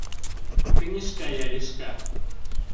«Книжка Яришка»